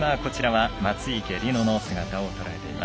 松生理乃の姿。